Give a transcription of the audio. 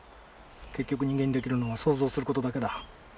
結局人間に出来るのは想像する事だけだ。